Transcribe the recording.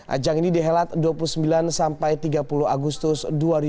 ajang ini dihelat dua puluh sembilan tiga puluh agustus dua ribu enam belas